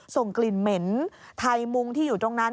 ส่งกลิ่นเหม็นไทยมุงที่อยู่ตรงนั้น